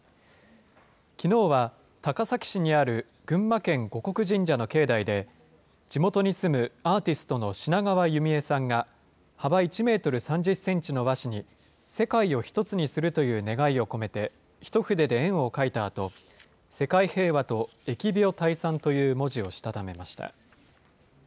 きのうは、高崎市にある群馬県護国神社の境内で、地元に住むアーティストの品川弓恵さんが幅１メートル３０センチの和紙に、世界を一つにするという願いを込めて、一筆で円を書いたあと、世界平和と疫病退散という文字をしたためました。